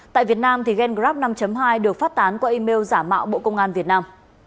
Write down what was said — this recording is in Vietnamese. tại việt nam gengrab năm hai được phát tán qua email giả mạo bộ công an việt nam